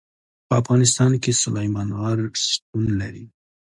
په افغانستان کې سلیمان غر شتون لري.